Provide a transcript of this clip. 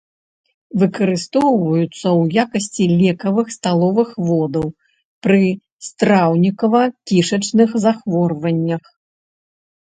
Выкарыстоўваюцца ў якасці лекавых сталовых водаў пры страўнікава-кішачных захворваннях.